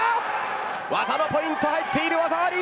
技のポイント入っている技あり。